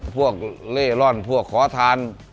เล่ร่อนพวกขอทาน